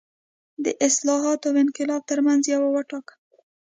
د اصلاحاتو او انقلاب ترمنځ یو وټاکه.